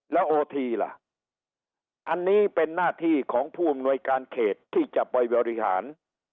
แล้วโอทีล่ะอันนี้เป็นหน้าที่ของผู้อำนวยการเขตที่จะไปบริหาร